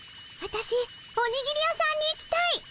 わたしおにぎり屋さんに行きたい。